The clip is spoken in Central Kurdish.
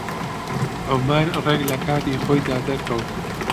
عومەر ڕێک لە کاتی خۆیدا دەرکەوت.